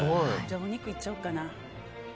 お肉、いっちゃおうかな。